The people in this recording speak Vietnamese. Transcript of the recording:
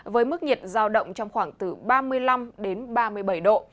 với mức nhiệt giao động trong khoảng từ ba mươi năm đến ba mươi bảy độ